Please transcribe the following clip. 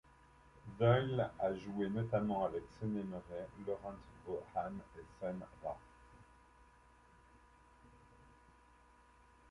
Doyle a joué notamment avec Sunny Murray, Laurent Vo Anh et Sun Ra.